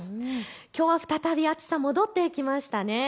きょうは再び暑さ、戻ってきましたね。